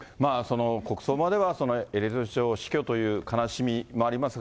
国葬までは、エリザベス女王死去という悲しみもあります。